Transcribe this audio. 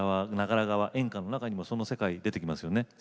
「長良川艶歌」の中にもその世界出てきますよね。